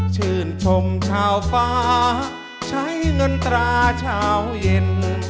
ชื่นชมชาวฟ้าใช้เงินตราเช้าเย็น